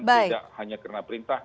tidak hanya karena perintah